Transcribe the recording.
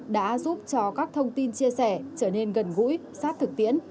đã giúp cho các thông tin chia sẻ trở nên gần gũi sát thực tiễn